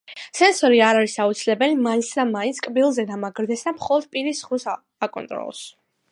სენსორი არ არის აუცილებელი მაინც და მაინც კბილზე დამაგრდეს და მხოლოდ პირის ღრუ აკონტროლოს.